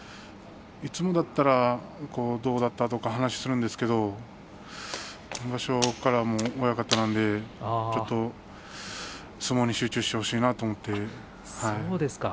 いつもだったらどうだったとか話をするんですけれど今場所からは親方なのでちょっと相撲に集中してほしいなと思って。